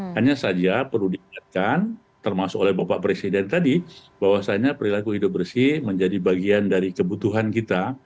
hanya saja perlu diingatkan termasuk oleh bapak presiden tadi bahwasannya perilaku hidup bersih menjadi bagian dari kebutuhan kita